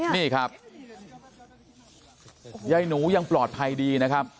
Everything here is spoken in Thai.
นี่ครับยายหนูยังปลอดภัยดีนะครับ